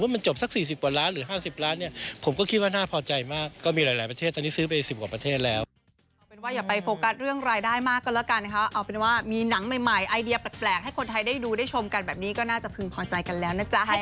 มันจบสัก๔๐กว่าล้านหรือ๕๐ล้านเนี่ยผมก็คิดว่าน่าพอใจมากก็มีหลายประเทศตอนนี้ซื้อไป๑๐กว่าประเทศแล้วกันนะคะ